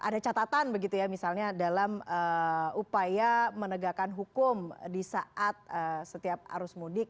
dalam saat melaksanakan mudik